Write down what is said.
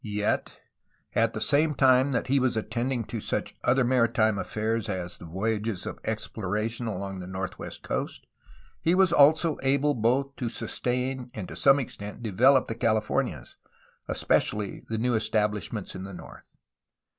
Yet, at the same time that he was attending to such other maritime affairs as the voyages of exploration along the northwest coast, he was also able both to sustain and to some extent to develop the Cahfornias, especially the new estabUshments in the north.